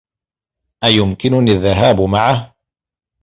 أيمكنني الذهاب معه؟